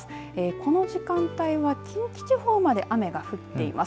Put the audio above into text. この時間帯は近畿地方まで雨が降っています。